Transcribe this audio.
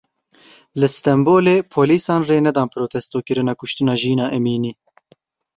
Li Stenbolê polîsan rê nedan protestokirina kuştina Jîna Emînî.